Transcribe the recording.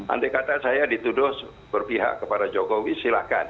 andai kata saya dituduh berpihak kepada jokowi silahkan